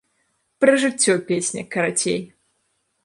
Пра жыццё песня, карацей!